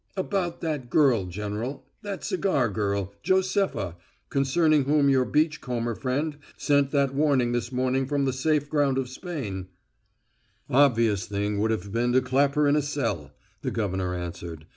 "About that girl, General that cigar girl, Josepha, concerning whom your beach comber friend sent that warning this morning from the safe ground of Spain " "Obvious thing would have been to clap her in a cell," the governor answered.